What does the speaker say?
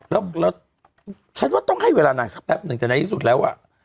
แล้วฉันว่าต้องให้เวลานางสักแป๊บหนึ่งแต่ในที่สุดแล้วอ่ะ